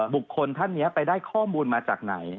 ท่านนี้ไปได้ข้อมูลมาจากไหน